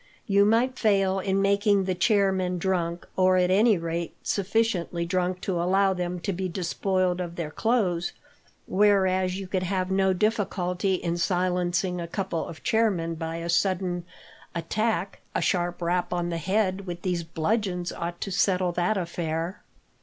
You might fail in making the chair men drunk, or at any rate sufficiently drunk to allow them to be despoiled of their clothes; whereas you could have no difficulty in silencing a couple of chair men by a sudden attack a sharp rap on the head with these bludgeons ought to settle that affair."